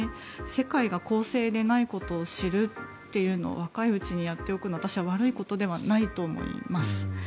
世界が公正でないことを知るというのを若いうちにやっておくのは、私は悪いことではないと思います。